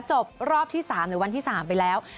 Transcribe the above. จบรอบที่๓หรือวันที่๓ไปแล้ว